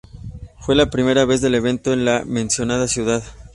Fue la primera vez del evento en la mencionada ciudad.